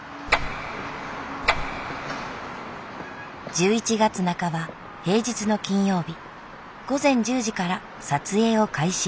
１１月半ば平日の金曜日午前１０時から撮影を開始。